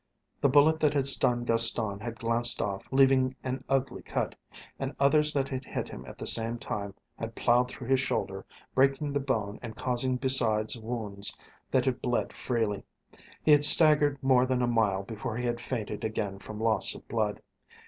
The bullet that had stunned Gaston had glanced off, leaving an ugly cut, and others that had hit him at the same time had ploughed through his shoulder, breaking the bone and causing besides wounds that had bled freely. He had staggered more than a mile before he had fainted again from loss of blood.